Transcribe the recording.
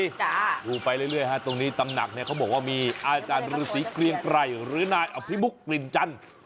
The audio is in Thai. ดูไปเรื่อยฮะตรงนี้ตำหนักเนี่ยเขาบอกว่ามีอาจารย์ฤษีเกลียงไกรหรือนายอภิมุกกลิ่นจันทร์